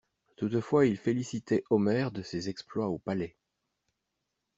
Toutefois il félicitait Omer de ses exploits au Palais.